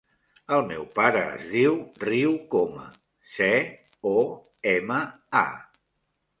El meu pare es diu Riu Coma: ce, o, ema, a.